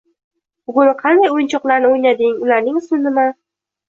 Bugun qanday o‘yinchoqlarni o‘ynading? Ularning ismi nima?